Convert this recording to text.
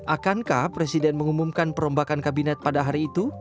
akankah presiden mengumumkan perombakan kabinet pada hari itu